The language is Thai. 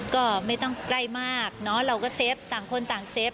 ก็ไม่ต้องใกล้มากเนอะเราก็เซฟต่างคนต่างเซฟ